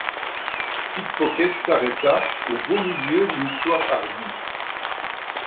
Pickpocket s’arrêta au beau milieu d’une histoire hardie.